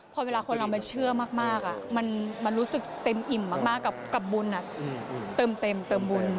พอเวลาคนเรามาเชื่อมากมันรู้สึกเต็มอิ่มมากกับบุญเติมบุญ